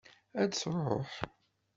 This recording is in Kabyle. Ad d-tṛuḥ?